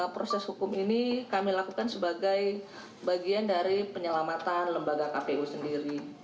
proses hukum ini kami lakukan sebagai bagian dari penyelamatan lembaga kpu sendiri